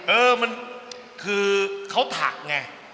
เออมันคือเขาถักไง